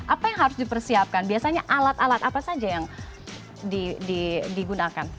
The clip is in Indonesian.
apa yang harus dipersiapkan biasanya alat alat apa saja yang digunakan